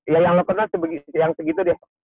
ya yang lo kenal yang segitu deh